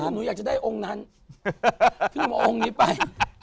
หนูอยากจะได้องค์นั้นที่หนูเอาองค์นี้ไป